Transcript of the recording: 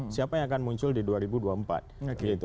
siapa yang akan muncul di dua ribu dua puluh empat